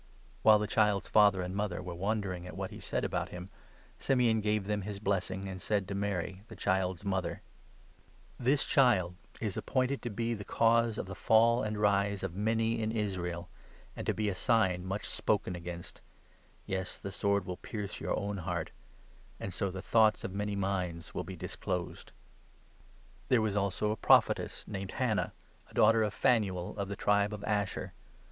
While the child's father and mother were wondering at what 33 was said about him, Simeon gave them his blessing, and said 34 to Mary, the child's mother :" This child is appointed to be the cause of the fall and rise of many in Israel, and to be a sign much spoken against — yes, the sword will pierce your own heart — and so the thoughts 35 in many minds will be disclosed." There was also a Prophetess named Hannah, a daughter of 36 Phanuel and of the tribe of Asher.